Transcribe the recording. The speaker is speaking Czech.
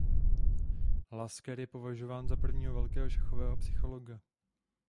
Lasker je považován za prvního velkého šachového psychologa.